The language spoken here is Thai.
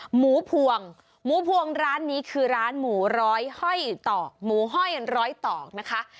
หมูพวงหมูพวงร้านนี้คือร้านหมูร้อยห้อยตอกหมูห้อยร้อยตอกนะคะ